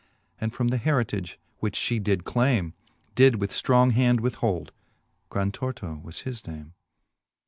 And from the heritage, which flie did clame. Did with ftrong hand withhold : Grantor to was his name.